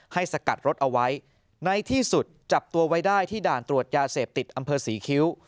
สกัดรถเอาไว้ในที่สุดจับตัวไว้ได้ที่ด่านตรวจยาเสพติดอำเภอศรีคิ้ว